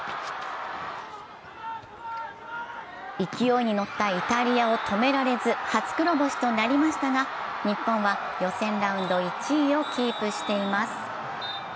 勢いに乗ったイタリアを止められず初黒星となりましたが日本は予選ラウンド１位をキープしています。